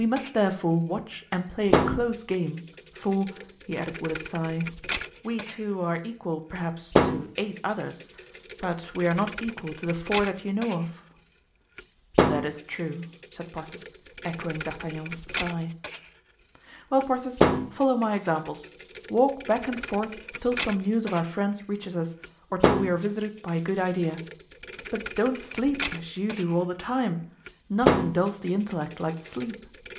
We must, therefore, watch and play a close game; for," he added with a sigh, "we two are equal, perhaps, to eight others; but we are not equal to the four that you know of." "That is true," said Porthos, echoing D'Artagnan's sigh. "Well, Porthos, follow my examples; walk back and forth till some news of our friends reaches us or till we are visited by a good idea. But don't sleep as you do all the time; nothing dulls the intellect like sleep.